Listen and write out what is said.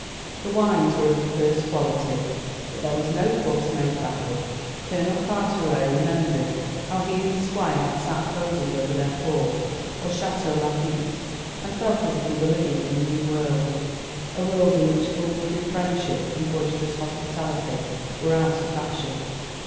The wines were of the first quality; but there was no fuss made about them. Colonel Carteret remembered how he and the Squire had sat prosing over their port or Château Lafitte, and felt as if he were living in a new world a world in which full blooded friendship and boisterous hospitality were out of fashion.